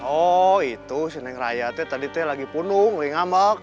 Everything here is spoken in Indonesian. oh itu si neng raya tadi lagi punung lagi ngamak